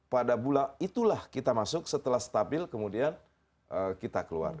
pada bulan itulah kita masuk setelah stabil kemudian kita keluar